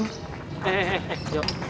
eh eh eh yuk